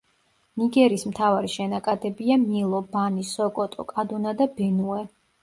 ნიგერის მთავარი შენაკადებია მილო, ბანი, სოკოტო, კადუნა და ბენუე.